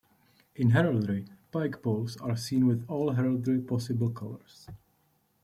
In Heraldry pike poles are seen with all heraldry possible colors.